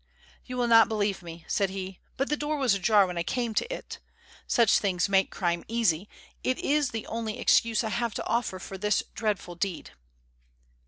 "You will not believe me," said he; "but the door was ajar when I came to it. Such things make crime easy; it is the only excuse I have to offer for this dreadful deed."